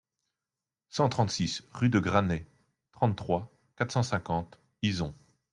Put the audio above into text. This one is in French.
cent trente-six rue de Graney, trente-trois, quatre cent cinquante, Izon